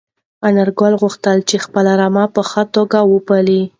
انارګل غوښتل چې خپله رمه په ښه توګه وپالي.